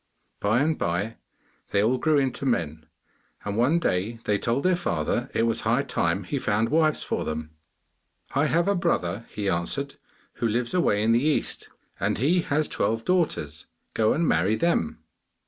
By and by they all grew into men, and one day they told their father it was high time he found wives for them. 'I have a brother,' he answered, 'who lives away in the East, and he has twelve daughters; go and marry them.